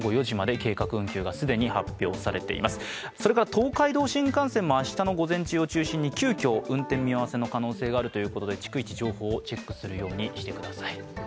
東海道新幹線も明日の午前中を中心に、急遽、運転見合わせの可能性もあるということで逐一、情報をチェックするようにしてください。